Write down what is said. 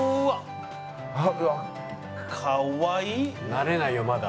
慣れないよまだ。